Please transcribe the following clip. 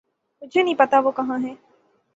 مجھے نہیں پتا وہ کہاں ہے